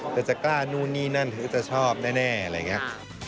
แต่จะกล้านู่นนี่นั่นเธอจะชอบแน่อะไรอย่างนี้